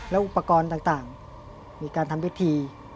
แล้วอุปกรณ์ต่างมีการทำพิธี